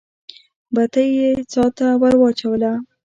بتۍ يې څا ته ور واچوله.